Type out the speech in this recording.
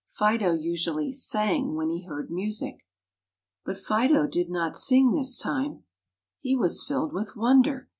Fido usually "sang" when he heard music. But Fido did not sing this time; he was filled with wonder.